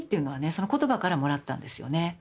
その言葉からもらったんですよね。